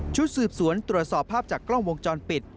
ชุดสืบสวนตรวจสอบภาพจากกล้องวงจรปิด